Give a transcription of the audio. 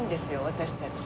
私たち。